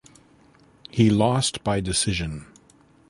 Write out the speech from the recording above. He lost by decision.